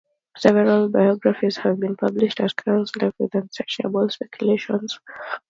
Several biographies have been published of Carr's life with unsubstantiated speculations.